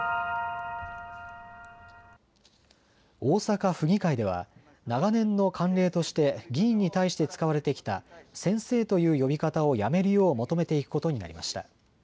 大阪府議会では長年の慣例として議員に対して使われてきた先生という呼び方をやめるよう求めていくことになりました。